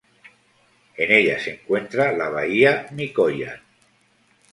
En ella se encuentra la bahía Mikoyan.